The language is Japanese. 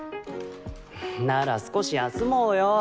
なら少し休もよ。